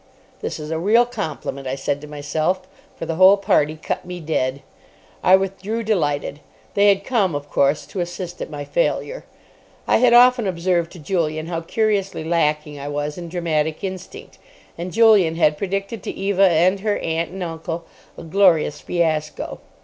"This is a real compliment," I said to myself, for the whole party cut me dead. I withdrew, delighted. They had come, of course, to assist at my failure. I had often observed to Julian how curiously lacking I was in dramatic instinct, and Julian had predicted to Eva and her aunt and uncle a glorious fiasco.